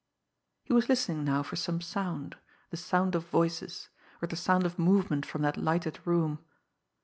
He was listening now for some sound, the sound of voices, or the sound of movement from that lighted room.